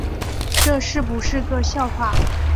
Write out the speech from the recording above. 这是不是个笑话